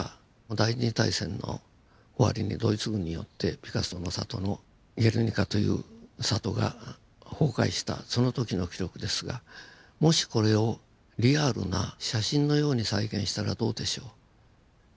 第２次大戦の終わりにドイツ軍によってピカソの里のゲルニカという里が崩壊したその時の記録ですがもしこれをリアルな写真のように再現したらどうでしょう。